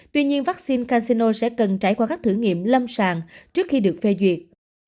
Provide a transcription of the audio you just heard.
tuy nhiên vaccine casino sẽ cần trải qua các thử nghiệm lâm sàng trước khi được phê duyệt